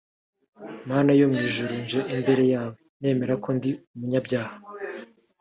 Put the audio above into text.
Mana yo mw’ijuru nje imbere yawe nemera ko ndi umunyabyaha